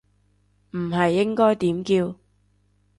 唔係應該點叫